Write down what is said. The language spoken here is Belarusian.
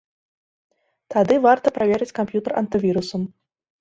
Тады варта праверыць камп'ютар антывірусам.